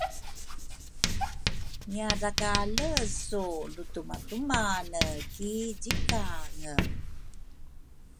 ngiadrakale su lutumatumane ki zikange?